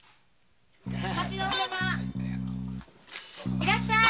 いらっしゃい。